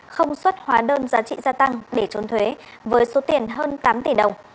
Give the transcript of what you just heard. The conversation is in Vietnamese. không xuất hóa đơn giá trị gia tăng để trốn thuế với số tiền hơn tám tỷ đồng